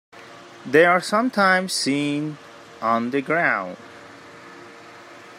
They are sometimes seen on the ground.